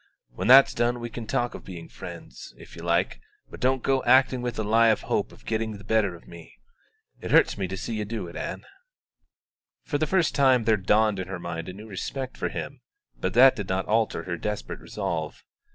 When that's done we can talk of being friends if you like, but don't go acting a lie with the hope of getting the better of me. It hurts me to see you do it, Ann." For the first time there dawned in her mind a new respect for him, but that did not alter her desperate resolve.